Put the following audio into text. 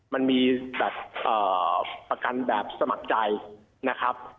มันมีแบบประกันแบบสมัครใจนะครับ